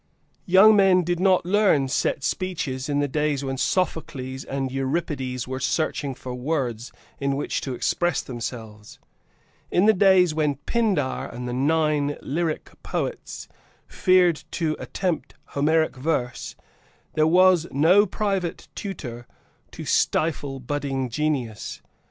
Young men did not learn set speeches in the days when Sophocles and Euripides were searching for words in which to express themselves. In the days when Pindar and the nine lyric poets feared to attempt Homeric verse there was no private tutor to stifle budding genius.